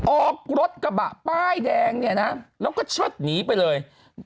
ออกรถกระบะป้ายแดงเนี่ยนะแล้วก็เชิดหนีไปเลย